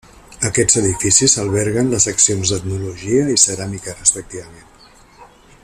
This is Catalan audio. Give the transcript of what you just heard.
Aquests edificis alberguen les seccions d'etnologia i ceràmica respectivament.